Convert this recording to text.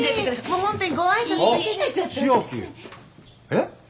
えっ！？